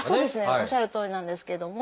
おっしゃるとおりなんですけども。